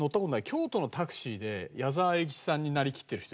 京都のタクシーで矢沢永吉さんになりきってる人。